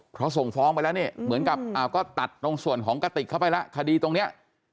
เพราะส่งฟ้องไปแล้วนี่เหมือนกับก็ตัดตรงส่วนของกระติกเข้าไปแล้วคดีตรงนี้